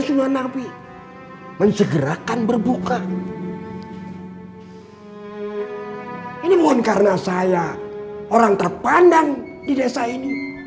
sunan nabi mensegerakan berbuka ini mohon karena saya orang terpandang di desa ini